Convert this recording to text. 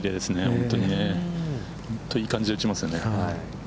本当にいい感じで打ちますよね。